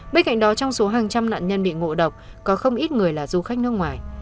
bên cạnh đó trong số hàng trăm nạn nhân bị ngộ độc có không ít người là du khách nước ngoài